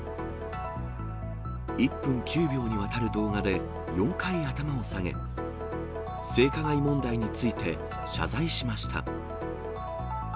１分９秒にわたる動画で、４回頭を下げ、性加害問題について謝罪しました。